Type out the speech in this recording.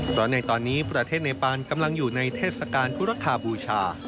เพราะในตอนนี้ประเทศเนปานกำลังอยู่ในเทศกาลธุรคาบูชา